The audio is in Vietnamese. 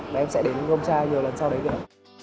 và em sẽ đến gông tra nhiều lần sau đấy nữa